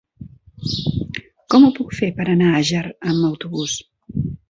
Com ho puc fer per anar a Àger amb autobús?